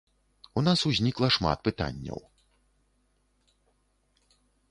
У нас узнікла шмат пытанняў.